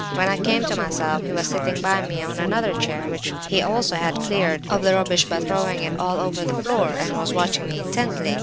When I came to myself he was sitting by me on another chair, which he had also cleared of the rubbish by throwing it all over the floor, and was watching me intently.